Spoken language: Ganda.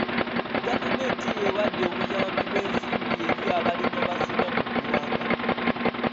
Gavumenti ewadde obuyambi bw'ensimbi eri abalimi abasinga mu ggwanga.